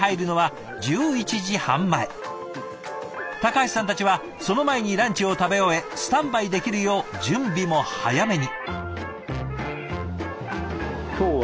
橋さんたちはその前にランチを食べ終えスタンバイできるよう準備も早めに。